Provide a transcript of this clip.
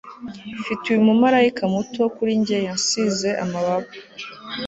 Mfite uyu mumarayika muto Kuri njye yansize amababa